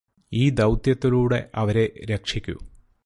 ഈ ദൗത്യത്തിലൂടെ അവരെ രക്ഷിക്കൂ